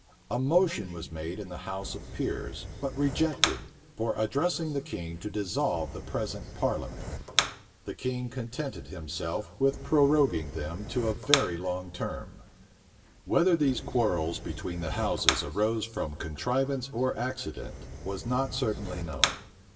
A motion was made in the house of peers, but rejected, for addressing the king to dissolve the present parliament. The king contented himself with proroguing them to a very long term. Whether these quarrels between the houses arose from contrivance or accident, was not certainly known.